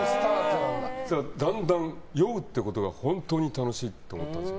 だんだん、酔うってことが本当に楽しいって思ったんです。